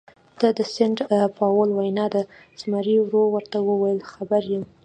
دا د سینټ پاول وینا ده، زمري ورو ورته وویل: خبر یم.